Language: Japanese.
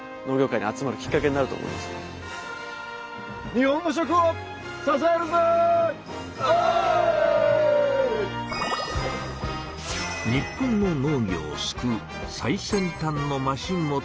日本の農業を救う最先端のマシンも登場しました。